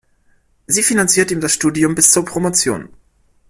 Sie finanziert ihm das Studium bis zur Promotion.